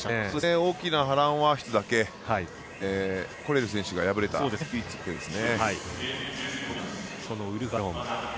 大きな波乱は１つだけでコレル選手が敗れたというだけですね。